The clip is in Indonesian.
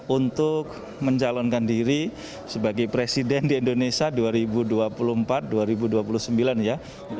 untuk mencalonkan diri sebagai presiden di indonesia dua ribu dua puluh empat dua ribu dua puluh sembilan ya